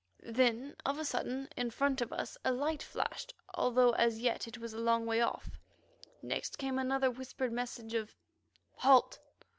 Then of a sudden, in front of us a light flashed, although as yet it was a long way off. Next came another whispered message of "Halt!"